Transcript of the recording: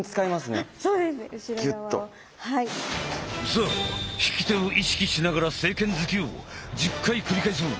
さあ引き手を意識しながら正拳突きを１０回繰り返そう！